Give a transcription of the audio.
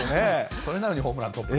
それなのにホームラン。